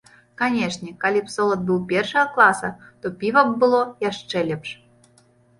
Канешне, калі б солад быў першага класа, то піва б было яшчэ лепш.